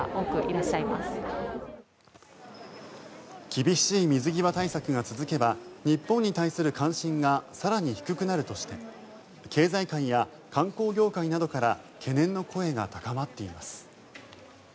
厳しい水際対策が続けば日本に対する関心が更に低くなるとして経済界や観光業界などから懸念の声が高まっています。